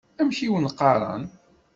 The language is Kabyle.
Amek i wen-qqaṛen?